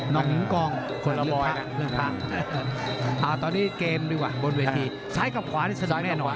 น่องคนลูกภาพเอ่อตอนนี้เกมดีกว่าบนเวทีซ้ายกลับขวานี่สนุกแน่หน่อย